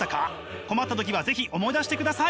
困った時は是非思い出してください！